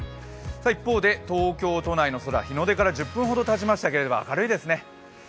一方で、東京都内の空、日の出から１０分ほどたちましたが明るいですね。